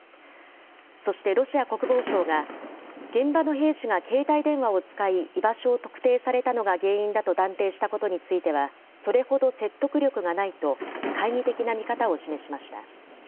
そしてロシア国防省が、現場の兵士が携帯電話を使い、居場所を特定されたのが原因だと断定したことについては、それほど説得力がないと、懐疑的な見方を示しました。